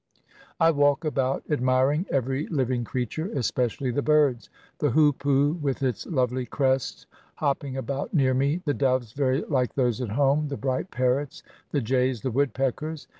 I walk about admiring every living creature, espe cially the birds — the hoopoo with its lovely crest hop ping about near me, the doves very like those at home, the bright parrots, the jays, the woodpeckers.